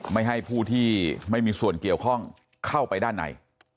ไม่ให้ผู้ที่ไม่มีส่วนเกี่ยวข้องเข้าไปด้านใน